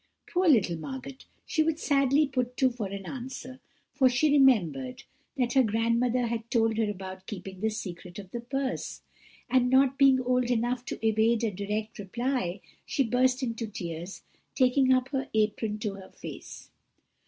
"Poor little Margot! she was sadly put to for an answer, for she remembered what her grandmother had told her about keeping the secret of the purse; and not being old enough to evade a direct reply, she burst into tears, taking up her apron to her face.